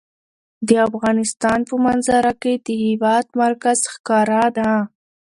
د افغانستان په منظره کې د هېواد مرکز ښکاره ده.